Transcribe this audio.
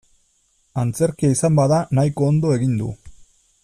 Antzerkia izan bada nahiko ondo egin du.